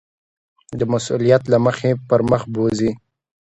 د مسؤلیت له مخې پر مخ بوځي.